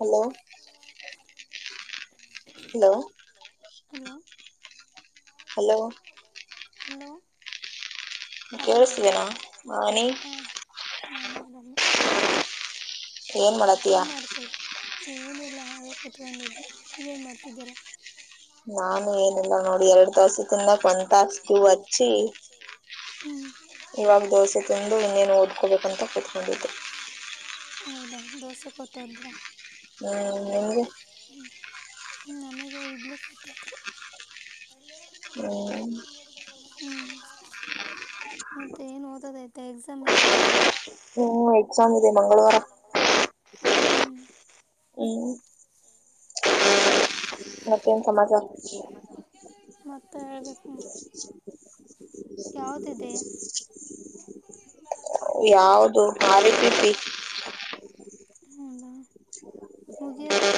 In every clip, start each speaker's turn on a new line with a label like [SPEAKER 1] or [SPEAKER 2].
[SPEAKER 1] Hello hello hello
[SPEAKER 2] hello ಆರಾಮ ಹಾ.. ನಾನು ಆರಾಮ
[SPEAKER 1] ಏನ್ ಮಾಡ್ತೀಯಾ
[SPEAKER 2] ಏನಿಲ್ಲ ಹಾಗೆ ಕೊತ್ಕೊಡೆ ನೀವೇ ಮಾಡ್ತಿದ್ದೀರಾ
[SPEAKER 1] ನಾನು ಏನಿಲ್ಲ ನೋಡಿ ಎರಡ್ ತಾಸು ಒನ್ ತಾಸು ಕೂ ಹಚ್ಚಿ ಇವಾಗ ದೋಸೆ ತಿಂದು ಇನ್ನೇನು ಓದ್ಕೋಬೇಕಂತ ಕೂತ್ಕೊಂಡಿದ್ದೆ
[SPEAKER 2] ಹೌದಾ ದೋಸೆ ಕೊಟ್ಟ ಹೋದ್ರ
[SPEAKER 1] ಹ್ಮ ನಿಮಗೆ
[SPEAKER 2] ಹ್ಮ ನಮಗೆ ಇಡ್ಲಿ ಕೊಟ್ಟಿದ್ರು
[SPEAKER 1] ಹ್ಮ
[SPEAKER 2] ಹ್ಮ್ ಮತ್ತೆ ಏನ್ ಓದೋದು ಆಯಿತೆ ಎಕ್ಸಾಮ್ ಐತ
[SPEAKER 1] ಹ್ಮ್ ಎಕ್ಸಾಮ್ ಇದೆ ಮಂಗಳವಾರ
[SPEAKER 2] ಹ್ಮ್
[SPEAKER 1] ಹ್ಮ್ ಮತ್ತೇನ್ ಸಮಾಚಾರ ಯಾವುದು ಹಾಲತೀಸಿ
[SPEAKER 2] ಹ್ಮ್ಮ್ ಮುಗಿಯೋದು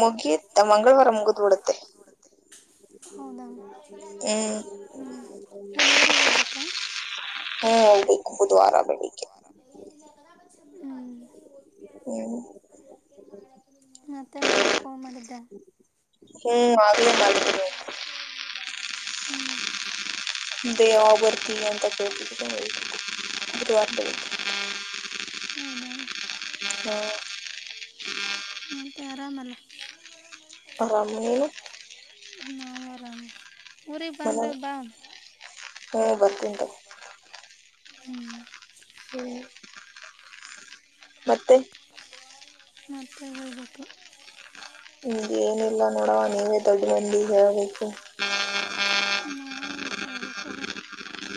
[SPEAKER 1] ಮುಗಿಯುತ್ತ ಮಂಗಳವಾರ ಮುಗುದ್ ಬಿಡುತ್ತೆ
[SPEAKER 2] ಹೌದಾ
[SPEAKER 1] ಹ್ಮ್ ಹ್ಮ ಗುರವಾರಾ ಬೆಳಿಗ್ಗೆ
[SPEAKER 2] ಹ್ಮ್
[SPEAKER 1] ಹ್ಮ್
[SPEAKER 2] ಮತ್ತೆ
[SPEAKER 1] ಹ್ಮ್ ಅ ಮಾಡ
[SPEAKER 2] ಹ್ಮ್
[SPEAKER 1] ದೆ ಯಾವಾಗ್ ಬರ್ತಿಅಂತ ಹ
[SPEAKER 2] ಮತ್ತೆ ಆರಾಮಲ್ಲ
[SPEAKER 1] ಆರಾಮ ನೀನು
[SPEAKER 2] ನಾವು ಆರಾಮ ಊರಿಗಿ ಬಂದ್ರೆ ಬಾ
[SPEAKER 1] ಹ್ಮ್ ಬರ್ತಿನಿ ತಾ
[SPEAKER 2] ಹ್ಮ್
[SPEAKER 1] ಹ್ಮ ಮತ್ತೆ
[SPEAKER 2] ಮತ್ತ್ ಹೇಳ್ಬೇಕು
[SPEAKER 1] ನಿಮ್ಗೆ ಏನಿಲ್ಲ ನೋಡವ ನೀವೇ ದೊಡ್ ಮಂದಿ ಹೇಳ್ಬೇಕು
[SPEAKER 2] ನಾ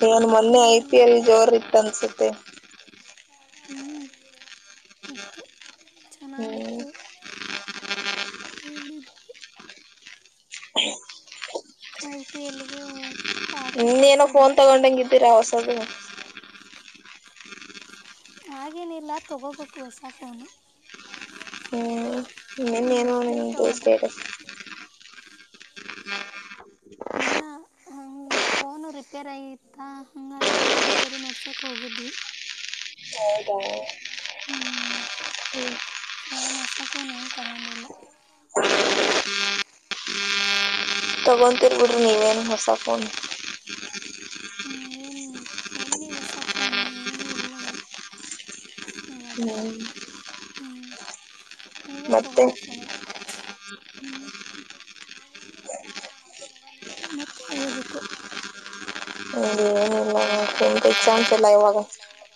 [SPEAKER 1] ಏನ್ ಮೊನ್ನೆ ಐ ಪಿ ಎಲ್ ಜೋರ್ ಇತ್ತ ಅನ್ಸುತ್ತೆ
[SPEAKER 2] ಹ್ಮ್ ಇತ್ತು ಚನ್ನಾಗಿತ್ತು ಎಲ್ಲಿಂದ್ದಿಯ ಐ ಪಿಎಲ್ಗೆ ಪಾರ್ಟಿ ಕೊಡ್ಸಿದ್ರು ಹಾಗೇನಿಲ್ಲ ತಗೋಬೇಕು ಹೊಸ ಫೋನು
[SPEAKER 1] ಇನೇನುಂದು ಸ್ಟೇಟಸ್
[SPEAKER 2] ಇಲ್ಲ ಫೋನು ರಿಪೇರ್ ಆಯತ್ತಾ ಹಂಗಾಗಿ ಫೋನ್ ರಿಪೇರಿ ಮಾಡ್ಸೋಕ್ಕೆ ಹೋಗಿದ್ವಿ ಹ ಫೋನ್ ಹೊಸ ಫೋನ್ ಏನು ತಗೊಂಡಿಲ್ಲ
[SPEAKER 1] ತಗೊತೀರಿ ಬಿಡ್ರಿ ನೀವೇನು ಹೊಸ ಫೋನ್
[SPEAKER 2] ಹ್ಮ ಏನು ಎಲ್ಲಿ ಹೊಸ ಫೋನು ಏನು ಇಲ್ಲ ಇ
[SPEAKER 1] ಹ್ಮ
[SPEAKER 2] ನೀವೇ ತಗೋಬೇಕೇನೋ ಮತ್ತೆ ಹೇಳ್ಬೇಕು
[SPEAKER 1] ಏನಿಲ್ಲ
[SPEAKER 2] ಂತಲ್ಲ ಯವಾಗ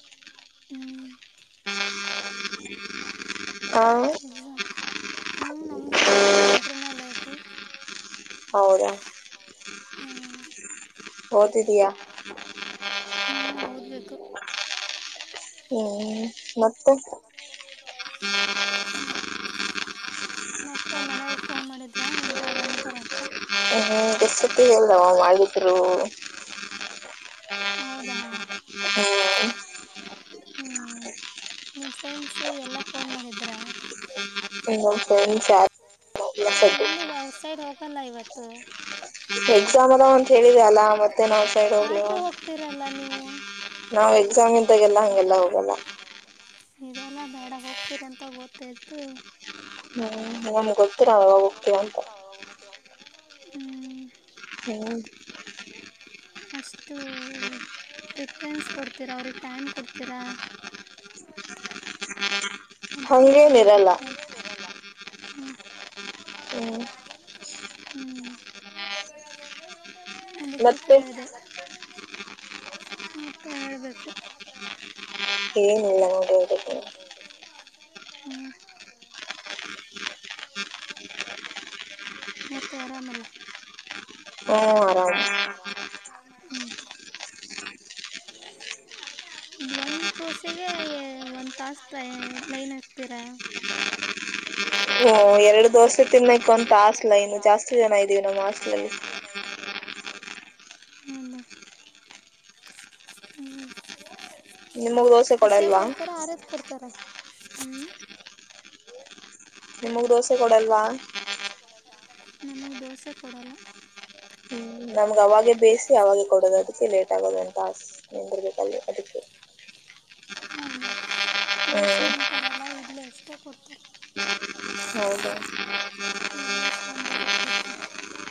[SPEAKER 1] ಹ
[SPEAKER 2] ಹ್ಮ್ ನಮ್ ಸ ನಾಳಿಂದ ಇಂಟ್ರನಲ್ [unintelligible]
[SPEAKER 1] ಹೌದ.
[SPEAKER 2] ಹ್ಮ್
[SPEAKER 1] [unintelligible]
[SPEAKER 2] ಓತಿಯಾ. ಹಾ ಓದಬೇಕು.
[SPEAKER 1] ಮತ್ತೆ.
[SPEAKER 2] ಹ್ಮ ಮತ್ತೆ ಮನೆಗೆ ಫೋನ್ ಮಾಡಿದ್ರಾ ಎಲ್ರು ಆರಾಮದರಂತ.
[SPEAKER 1] [unintelligible] [unintelligible]
[SPEAKER 2] ಹೂ ನಿಮ್ಮ ಫ್ರೆಂಡ್ಸು ಎಲ್ಲ ಫೋನ್ ಮಾಡಿದ್ರಾ.
[SPEAKER 1] ಸರಿ.
[SPEAKER 2] ಎಲ್ಲಿಗೆ ಆ ಸೈಡ್ ಹೋಗ- ಪಲೈವತ್ತು.
[SPEAKER 1] ಎಕ್ಸಾಮ್ ಎಲ್ಲ ವಂತ ಹೇಳಿದ ಅಲ್ಲ ಮತ್ತೆ ನಾವುಸೈಡ್ ಹೋಗ ನಾವ್ ಎಕ್ಸಾಮ್ ಇದಾಗೆಲ್ಲಾ ಹಂಗೆಲ್ಲ ಹೋಗಲ್ಲ.
[SPEAKER 2] ಇದೆಲ್ಲ ಬೇಡ ಹೋಗ್ತೀರ ಅಂತ ಗೊತ್ತಿತ್ತು.
[SPEAKER 1] ಹ್ಮ ಏನ್ ಗೊತ್ತು. ಹ ಓಕೆ ಅಂತ.
[SPEAKER 2] [inaudible]
[SPEAKER 1] [inaudible]
[SPEAKER 2] ಅಷ್ಟು ಪ್ರಿಫ್ರೆನ್ಸ್ ಕೊಡ್ತೀರ ಅವ್ರಿಗೆ ಟೈಮ್ ಕೊಡ್ತೀರ. ಅದಕ್ಕೆ ಕೇಳ್ದ ಅವರಿಗೂ ಇರಲ್ಲ. ಹ್ಮ್. [unintelligible] ಅದಕ್ಕೆ ಕೇಳಿದೆ. ಮತ್ತೆ ಹೇಳಬೇಕು.
[SPEAKER 1] ಹ ಏನಿಲ್ಲ.
[SPEAKER 2] ಹ್ಮ. ಮತ್ತೆ ಅರಾಮಲ್ಲ.
[SPEAKER 1] ಹ್ಮ ಆರಾಮ.
[SPEAKER 2] ಹ್ಞ ಒಂದು ದೋಸೆಗೆ ಒಂದು ತಾಸು ಲೈನ್ ಹಾಕ್ತೀರಾ.
[SPEAKER 1] ಓ ಎರಡು- ದೋಸೆ ತಿನ್ನೋಕ್ಕು ಒನ್ ತಾಸು ಲೈನು ಜಾಸ್ತಿ ಜನ ಇದ್ದೀವಿ ನಮ್ಮ ಹಾಸ್ಟೆಲ್ ನಲ್ಲಿ.
[SPEAKER 2] ಹ ಹ್ಮ್.
[SPEAKER 1] ನಿಮಗ್ ದೋಸೆ ಕೊಡಲ್ವಾ.
[SPEAKER 2] ಹ್ಮ್.
[SPEAKER 1] ನಿಮಗ್ ದೋಸೆ ಕೊಡಲ್ವಾ.
[SPEAKER 2] ನಮಗೆ ದೋಸೆ ಕೊಡಲ್ಲ.
[SPEAKER 1] ನಮ್ಗೆ ಅವಾಗೆ ಬೇಯಿಸಿ ಅವಾಗೆ ಕೊಡೋದು ಅದಕ್ಕೆ ಲೇಟ್ ಆಗೋದ ಅಂತ ಆಸೆ ನೀನ್ ಬರ್ಬೇಕಲ್ಲಿ ಅದಕ್ಕೆ
[SPEAKER 2] ತೋಸ ಏನು ಕೊಡಲ್ಲ ಇಡ್ಲ ಕೊತ [unintelligible] ಇಲ್ಲಿ ಸಾಂಬಾರು ಚ ಹ್ಮ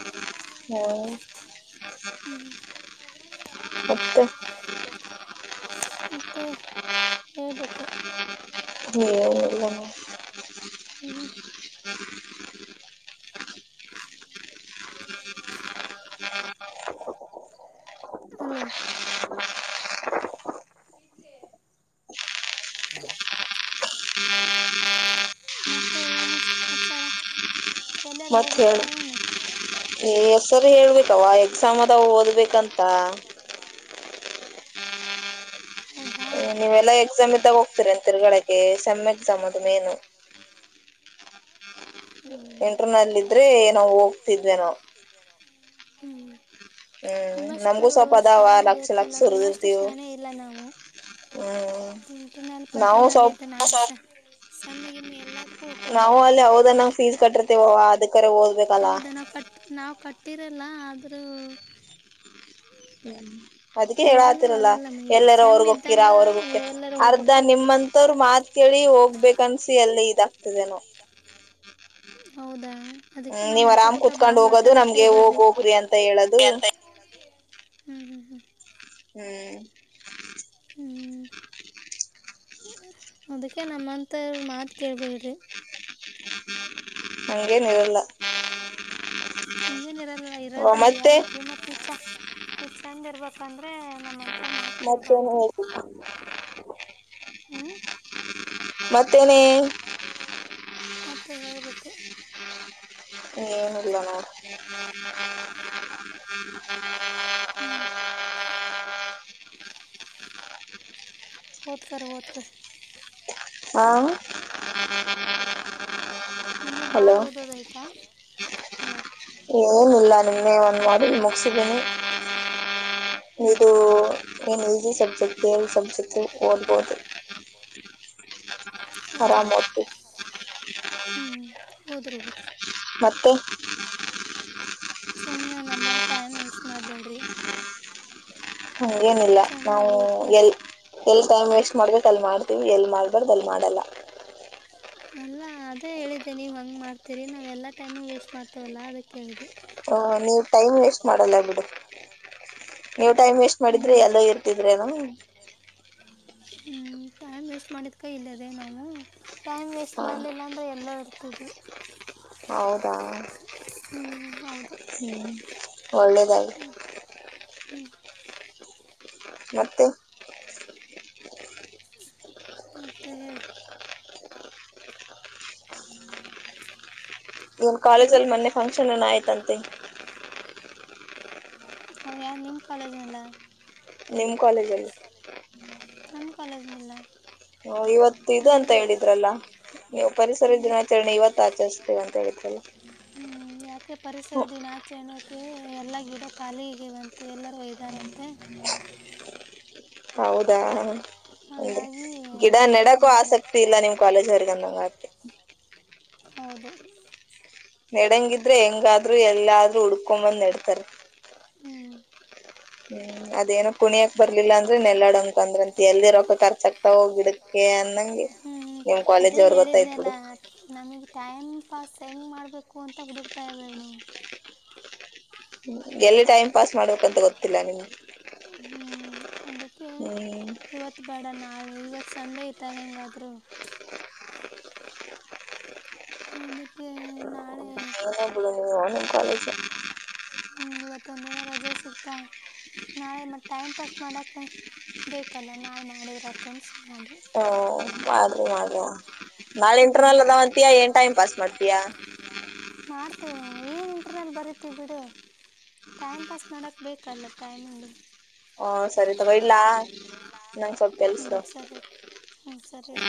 [SPEAKER 2] ಮತ್ತೆ ಹೇಳ್ಬೇಕು ಹ್ಮ ಹಲೋ ಹ್ಮ ನತ್ತ ನು ಸಮಾಚಾರ
[SPEAKER 1] ಮತ್ತ ಹೇಳ ಏ ಹೆಸ್ಸಾರಿ ಹೇಳ್ಬೇಕಾವ ಎಕ್ಸಾಮ್ ಅದವ ಓದಬೇಕಂತ
[SPEAKER 2] ಹದ [unintelligible]
[SPEAKER 1] ನೀವೆಲ್ಲಾ ಎಕ್ಸಾಮ ಇದ್ದಾಗ ಹೋಗ್ತಿರೆನ್ ತಿರ್ಗಾಡಾಕೆ ಸೆಮ್ ಎಕ್ಸಾಮ್ ಅದು ಮೇನು ಇಂಟ್ರನಲ್ ಇದ್ರೆ ನಾ ಹೋಗ್ತಿದ್ವಿವೆನೊ
[SPEAKER 2] ಹ್ಮ್ ನಿಮ್ಮಷ್ಟು ಶಾಣೆ ಬೇಕಲ್ಲ ನಿಮ್ಮಷ್ಟು ಶಾಣೆ ಇಲ್ಲ ನಾವು ಪಂಟ ನಲ್ ಪಂಟ್ರನಲ್ ಇದೆ ನಾ ಸೆಮ್ ಗಿಮ್ ಏ
[SPEAKER 1] ನಾವು ಅಲ್ಲಿ ಹೌದನ್ನಂಗ್ ಫೀಸ್ ಕಟ್ಟಿರ್ತೀವವ ಅದಕ್ಕರೆ ಓದ್ಬೇಕಲ್ಲ
[SPEAKER 2] ಕಟ್ಟಿರಲ್ಲ ಆದರೂ
[SPEAKER 1] ಹ [unintelligible] ಅದ್ಕ್ಕೆ ಹೇಳಾತಿರಲ್ಲ ಎಲ್ಲಾರ ಹೊರಹೊಕ್ಕಿರ ಹೊರಹೊಕ್ಕಿರ ಅರ್ಧ ನಿಮ್ಮಂತವರು ಮಾತ್ ಕೇಳಿ ಹೋಗ್ಬೇಕನ್ಸಿ ಎಲ್ಲ ಇದಾಗ್ತದೆನುೋ
[SPEAKER 2] ಹೌದಾ
[SPEAKER 1] ಹ್ಮ್ ನೀವ್ ಅರಾಮ್ ಕುತ್ಕೊಂಡ್ ಹೋಗೋದು ನಮ್ಗೆ ಹೋಗ್ ಹೋಗ್ರಿ ಅಂತ ಹೇಳದು ಹ್ಮ್
[SPEAKER 2] ಹ್ಞ ಅದಕ್ಕೆ ನಮ್ಮಂತವ್ರ ಮಾತು ಕೇಳ್ಬೇಡ್ರಿ
[SPEAKER 1] ಹಂಗೇನ್ ಇರಲ್ಲ
[SPEAKER 2] ಹಂಗೇನ ಇರಲ್ಲ ಇರದು ರಿಯಾಲಿಟಿ ಮತ್ತು ಚಾ ನೀ ಚೆಂದ ಇರ್ಬೇಕಂದ್ರೆ ನಮ್ಮ
[SPEAKER 1] ಮತ್ತೇನು ಹಿ
[SPEAKER 2] ಮತ್ ಹೇಳ್ ಬಕು
[SPEAKER 1] ಏನಿಲ್ಲ ನೋಡು
[SPEAKER 2] ಹ್ಮ್ ಓದ್ಕರಿ ಓದ್ಕರಿ
[SPEAKER 1] ಹ [unintelligible]
[SPEAKER 2] ನೀನ್ ಬಾಳ್ ಹೋದೋದೈತ ಹಲೋ
[SPEAKER 1] ಏನಲ್ಲ ನಿನ್ನೆ ಒಂದು ಮಾಡಿ ಮುಗಸಿದೀನಿ ನೀದು [unintelligible] ಈ ಸಬ್ಜೆಕ್ಟ ಸಬ್ಜೆಕ್ಟ ಓದ್ಬೋದು ಆರಾಮ್ ಐತಿ
[SPEAKER 2] ಓದ್ರಿ ಓದ್ರಿ
[SPEAKER 1] ಮತ್ತೆ
[SPEAKER 2] ಸುಮ್ನೆ ನಮ್ಮಂಗ ಟೈಮ್ ವೇಸ್ಟ್ ಮಾಡ್ಬೇಡ್ರಿ
[SPEAKER 1] ಹಂಗೇನಿಲ್ಲ ನಾವು ಎಲ್ ಎಲ್ಲಿ ಟೈಮ್ ವೆಸ್ಟ್ ಮಾಡ್ಬೇಕ ಅಲ್ಲಿ ಮಾಡ್ತಿವಿ ಎಲ್ ಮಾಡಬಾರದು ಅಲ್ ಮಾಡಲ್ಲ
[SPEAKER 2] ಅಲ್ಲಾ ಅದೇ ಹೇಳಿದೆ ನೀವ ಹಂಗ್ ಮಾಡ್ತೀರಿ ನಾವ್ ಅಲ್ಲಾ ಟೈಮು ವೇಸ್ಟ್ ಮಾಡ್ತೇವಲ ಅದಕೆ ಕೇಳಿದೆ
[SPEAKER 1] ಹೂ ನೀವು ಟೈಮ್ ವೇಸ್ಟ್ ಮಾಡಲ್ಲ ಬಿಡು ನೀವು ಟೈಮ್ ವೇಸ್ಟ್ ಮಾಡಿದ್ರೆ ಎಲ್ಲೋ ಇರುತ್ತಿದ್ದರೇನು?
[SPEAKER 2] ಹೂ ಟೈಮ್ ವೇಸ್ಟ್ ಮಾಡಿದಕ ಇಲ್ಲದೆವಿ ನಾವು ಟೈಮ್ ವೇಸ್ಟ್ ಮಾಡಲಿಲ್ಲ ಅಂದ್ರೆ ಎಲ್ಲೊಇರ್ತಿದವಿ
[SPEAKER 1] ಹೌದಾ
[SPEAKER 2] ಹೌದು
[SPEAKER 1] ಹೂ ಒಳ್ಳೆದಾಗಲಿ ಮತ್ತೆ
[SPEAKER 2] ಮತ್ತೆ ಹೇಳ
[SPEAKER 1] ನಿಮ್ಮ ಕಾಲೇಜಲ್ಲಿ ಮೊನ್ನೆ ಫಂಕ್ಷನ್ ಏನೋ ಆಯ್ತಂತೆ
[SPEAKER 2] ಹ ಯಾರು ನಿಮ್ಮ ಕಾಲೇಜನಲ್ಲ
[SPEAKER 1] ನಿಮ್ಮ ಕಾಲೇಜಲ್ಲಿ
[SPEAKER 2] ನಮ್ಮ ಕಾಲೇಜಿನಲ್ಲ
[SPEAKER 1] ಹೂ ಇವತ್ತ ಇದು ಅಂತ ಹೇಳಿದ್ರಲ್ಲ ನೀವು ಪರಿಸರ ದಿನಾಚರಣೆ ಇವತ್ತ ಆಚರಿಸ್ತೀರಿ ಅಂತ ಹೇಳಿದ್ರಲ್ಲ
[SPEAKER 2] ಹೂ ಯಾಕ ಪರಿಸರ ದಿನಾಚರಣೆ ಏ ಎಲ್ಲಾ ಗಿಡ ಖಾಲಿಯಾಗಿದವಂತೆ ಎಲ್ಲರೂ ವೈದಾರಂತೆ
[SPEAKER 1] ಹೌದಾ ಒ ಗೆತ್ತ ಗಿಡ ನೆಡಕು ಆಸಕ್ತಿ ಇಲ್ಲ ನಿಮ್ ಕಾಲೇಜ್ ದವರಿಗೆ ಅಂದಂಗಾಯಿತು
[SPEAKER 2] ಹೌದು
[SPEAKER 1] ನೆಡಂಗಿದ್ರೆ ಇದರೆ ಹೆಂಗಾದ್ರು ಎಲ್ಲಾದ್ರೂ ಉಡ್ಕೊಂಬಂದ್ ನೆಡ್ತಾರ ಅದೇನ ಕುಣಿಯಕ್ ಬರ್ಲಿಲ್ಲ ಅಂದ್ರೆ ನೆಲ ಡೊಂಕಂತೆ ಅಂದ್ರ ಅಂತ ಎಲ್ದಿರಕ ಕರ್ಸಕ್ತ ಹೋಗ ಗಿಡಕ್ಕೆ ಅಂದಂಗಗೆ ನಿಮ್ಮ ಕಾಲೇಜ ಅವರ ಗೊತ್ತಾಯತ ಬಿಡು
[SPEAKER 2] ಟೈಮಪಾಸ್ ಹೆಂಗ ಮಾಡಬೇಕು ಅಂತದು ತಲೆನೋವು
[SPEAKER 1] ಹೂ ಎಲ್ಲಿ ಟೈಮ್ ಪಾಸ್ ಮಾಡ್ಬೇಕಂತ ಗೊತ್ತಿಲ್ಲ ನಿಮಗೆ ಹೂ
[SPEAKER 2] ನಾಳೆ ಇವತ್ತ ಸಂಡೆ ಐತ ಹೆಂಗಾದ್ರು ಅದಕ್ಕೆ ನಾಳೆ
[SPEAKER 1] ಕಾಲೇಜ
[SPEAKER 2] ಹ್ಞೂ ಇವತ್ತೊಂದು ದಿನ ರಜೆ ಸಿಗ್ತಾ ನಾಳೆ ಮತ್ ಟೈಮ್ ಪಾಸ್ ಮಾಡೋಕ್ಕಬೇಕಲ್ಲ ನಾಳೆ ಮಾಡಿದ್ರ ಅತ್ತಂದ
[SPEAKER 1] ಓ ಮಾಡ್ರಿ ಮಾಡ್ರಿ ನಾಳೆ ಇಂಟರ್ನಲ್ ಅದಾವಂತಿಯ ಏನ್ ಟೈಮ್ ಪಾಸ್ ಮಾಡ್ತೀಯಾ
[SPEAKER 2] ಮಾಡ್ತೀವಿ ಏನಇಂಟರ್ನೆನಲ್ ಬರೀತೀವಿ ಬಿಡು ಟೈಮ್ ಪಾಸ್ ಮಾಡಕ್ಕೆ ಬೇಕಲ್ಲ ಟೈಮಿು [unintelligible]
[SPEAKER 1] ಹಓ ಸರಿ ತಗಇಡ್ಲ ನಂ ಸ್ವಲ್ಪ ಕೆಲ್ಸ [inaudible]
[SPEAKER 2] ಸರಿ ಇಡ